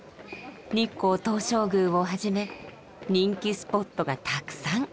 日光東照宮をはじめ人気スポットがたくさん。